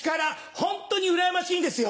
ホントにうらやましいんですよ。